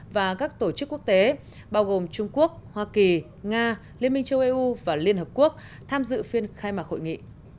và các tổ chức quốc tế bao gồm trung quốc hoa kỳ nga liên minh châu âu và liên hợp quốc tham dự phiên khai mạc hội nghị